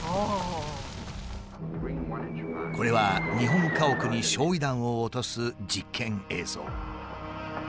これは日本家屋に焼夷弾を落とす実験映像。